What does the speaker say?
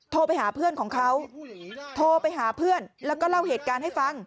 โทรไปหาเพื่อนของเขาโทรไปหาเพื่อนแล้วก็เล่าเหตุการณ์ให้ฟัง